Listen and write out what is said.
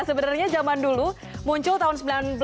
sebenarnya zaman dulu muncul tahun seribu sembilan ratus sembilan puluh